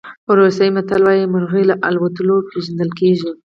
روسي متل وایي مرغۍ له الوت پېژندل کېږي.